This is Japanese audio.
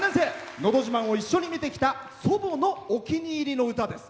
「のど自慢」を一緒に見てきた祖母のお気に入りの歌です。